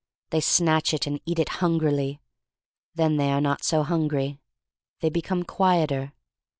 They snatch it and eat it hungrily. Then they are not so hilngiy. They become quieter.